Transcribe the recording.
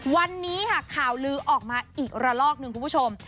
วันนี้ค่ะข่าวลือออกมาอีกระลอกหนึ่งคุณผู้ชม